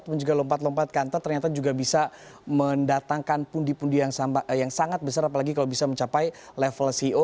dan juga lompat lompat kantor ternyata juga bisa mendatangkan pundi pundi yang sangat besar apalagi kalau bisa mencapai level ceo